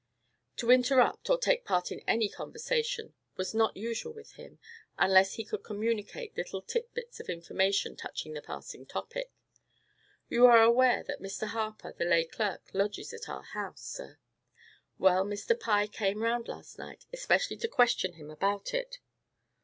To interrupt, or take part in any conversation, was not usual with him, unless he could communicate little tit bits of information touching the passing topic. "You are aware that Mr. Harper, the lay clerk, lodges at our house, sir. Well, Mr. Pye came round last night, especially to question him about it."